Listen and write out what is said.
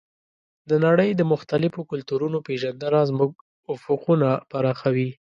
د نړۍ د مختلفو کلتورونو پېژندنه زموږ افقونه پراخوي.